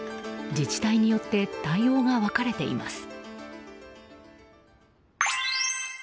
自治体によって対応が分かれています。